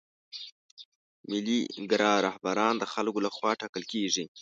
ملي ګرا رهبران د خلکو له خوا ټاکل کیږي.